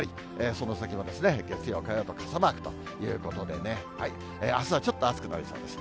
その先も月曜、火曜と傘マークということでね、あすはちょっと暑くなりそうです。